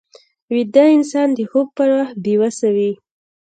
ویده انسان د خوب پر وخت بې وسه وي